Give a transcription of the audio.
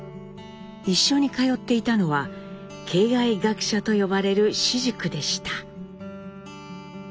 一緒に通っていたのは敬愛学舎と呼ばれる私塾でした。